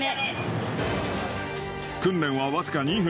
訓練は僅か２分。